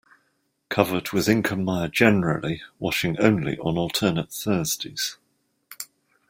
Covered with ink and mire generally, washing only on alternate Thursdays.